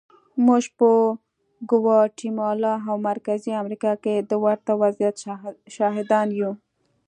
موږ په ګواتیمالا او مرکزي امریکا کې د ورته وضعیت شاهدان یو.